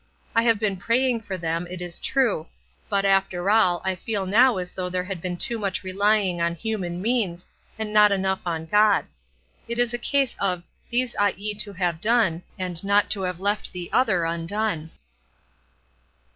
I have been praying for them, it is true; but, after all, I feel now as though there had been too much relying on human means, and not enough on God. It is a case of 'these ought ye to have done, and not to have left the other undone.'"